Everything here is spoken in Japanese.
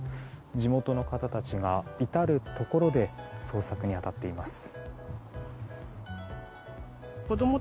地元の方たちが、至るところで捜索に当たっています。